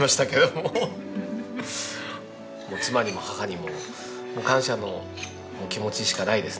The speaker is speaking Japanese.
もう妻にも母にも感謝の気持ちしかないですね。